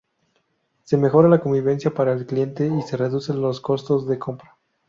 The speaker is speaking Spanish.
Se mejora la conveniencia para el cliente y se reducen los costos de compra.